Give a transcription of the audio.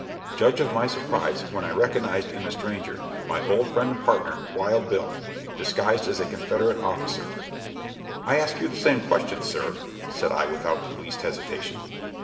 Judge of my surprise when I recognized in the stranger my old friend and partner, Wild Bill, disguised as a Confederate officer. "I ask you the same question, sir," said I without the least hesitation.